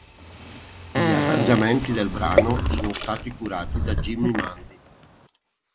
Gli arrangiamenti del brano sono stati curati da Jimmy Mundy.